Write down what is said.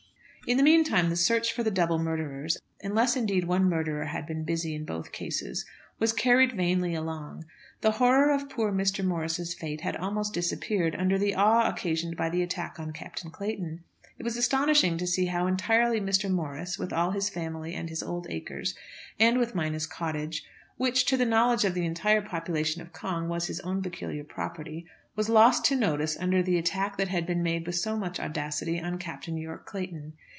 In the meantime the search for the double murderers, unless indeed one murderer had been busy in both cases was carried vainly along. The horror of poor Mr. Morris's fate had almost disappeared under the awe occasioned by the attack on Captain Clayton. It was astonishing to see how entirely Mr. Morris, with all his family and his old acres, and with Minas Cottage, which, to the knowledge of the entire population of Cong, was his own peculiar property, was lost to notice under the attack that had been made with so much audacity on Captain Yorke Clayton.